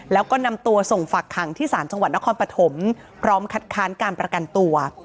แล้วก็นำตัวส่งฝักขังที่ศาลจังหวัดนครปฐมพร้อมคัดค้านการประกันตัว